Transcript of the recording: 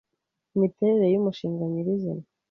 imiterere yumushinga nyirizina